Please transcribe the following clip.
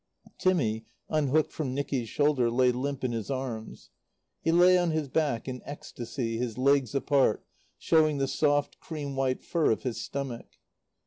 Timmy, unhooked from Nicky's shoulder, lay limp in his arms. He lay on his back, in ecstasy, his legs apart, showing the soft, cream white fur of his stomach.